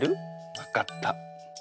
分かった。